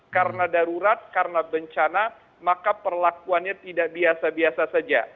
karena darurat karena bencana maka perlakuannya tidak biasa biasa saja